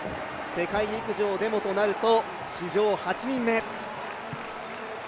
世界陸上でもとなると史上８人目。